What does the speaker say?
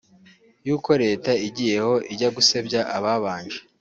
yuko Leta igiyeho ijya gusebya ababanje